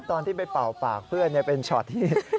ตอนที่ไปเป่าปากเพื่อนเป็นช็อตที่